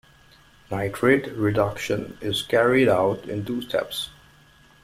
Nitrate reduction is carried out in two steps.